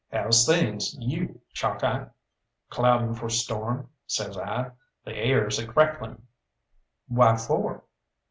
How's things, you Chalkeye?" "Clouding for storm," says I; "the air's a crackling." "Why for?"